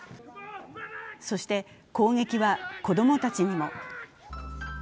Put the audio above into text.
そして、攻撃は子供たちにも。